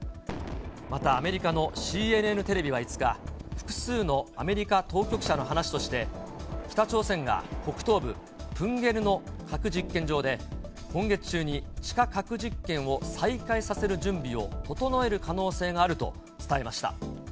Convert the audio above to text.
またアメリカのＣＮＮテレビは５日、複数のアメリカ当局者の話として、北朝鮮が北東部プンゲリの核実験場で、今月中に、地下核実験を再開させる準備を整える可能性があると伝えました。